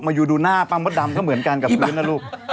ยูดูหน้าป้ามดดำก็เหมือนกันกับพื้นนะลูก